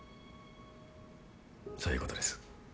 そういうことです。